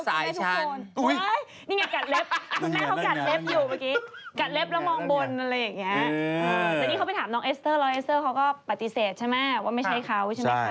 ไม่ใช่เขาใช่มั้ยค่ะ